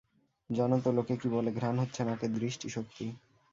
জানো তো লোকে কী বলে, ঘ্রাণ হচ্ছে নাকের দৃষ্টিশক্তি।